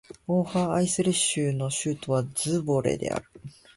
オーファーアイセル州の州都はズヴォレである